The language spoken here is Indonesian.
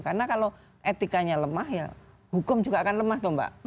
karena kalau etikanya lemah ya hukum juga akan lemah tuh mbak